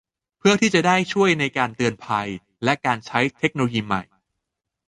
เพื่อที่จะได้ช่วยในการเตือนภัยและการใช้เทคโนโลยีใหม่